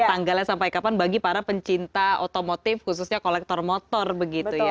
tanggalnya sampai kapan bagi para pencinta otomotif khususnya kolektor motor begitu ya